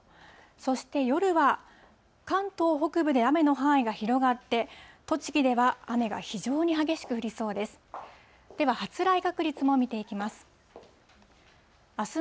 そして夜は、関東北部で雨の範囲が広がって、栃木では雨が非常に激しく降りそうです。